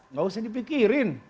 nggak usah dipikirin